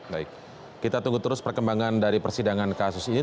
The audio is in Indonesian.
baik kita tunggu terus perkembangan dari persidangan kasus ini